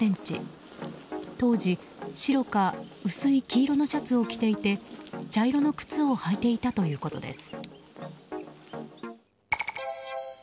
当時、白か薄い黄色のシャツを着ていて茶色の靴を履いていたということです。